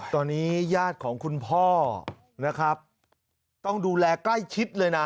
ตอนนี้ญาติของคุณพ่อนะครับต้องดูแลใกล้ชิดเลยนะ